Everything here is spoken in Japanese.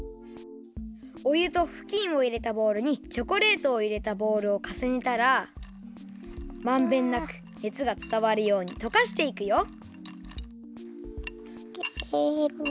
おゆとふきんをいれたボウルにチョコレートを入れたボウルをかさねたらまんべんなくねつがつたわるようにとかしていくよ。